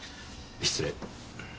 失礼。